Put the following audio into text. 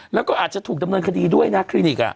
แล้วก็อาจจะถูกดำเนินคดีด้วยนะคลินิก